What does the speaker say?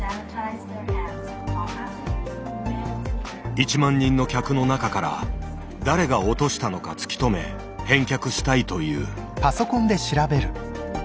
１万人の客の中から誰が落としたのか突き止め返却したいという。